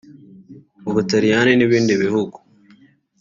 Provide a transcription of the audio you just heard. u Butaliyani n’ibindi bihugu